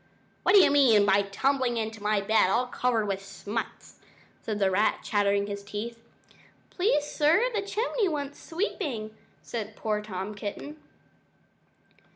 "What do you mean by tumbling into my bed all covered with smuts?" said the rat, chattering his teeth. "Please, sir, the chimney wants sweeping," said poor Tom Kitten.